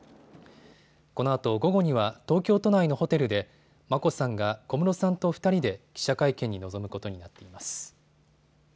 このあと午後には東京都内のホテルで眞子さんが小室さんと２人で記者会見に臨むことになっています。